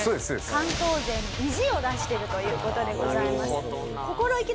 関東勢の意地を出してるという事でございます。